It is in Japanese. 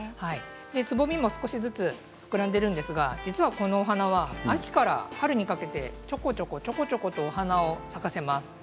つぼみも少しずつ膨らんでいるんですが実はこのお花は秋から春にかけてちょこちょこちょこちょこお花を咲かせます。